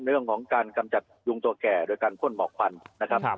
เรื่องของการกำจัดยุงตัวแก่โดยการพ่นหมอกควันนะครับ